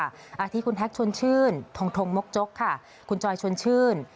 อาทิตย์คุณแท็กชวนชื่นทงทงมกจกค่ะคุณจอยชวนชื่น